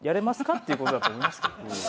っていうことだと思いますけど。